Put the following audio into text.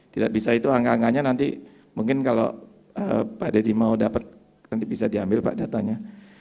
tidak bisa itu angka angkanya nanti mungkin kalau pak deddy mau dapat nanti bisa diambil pak datanya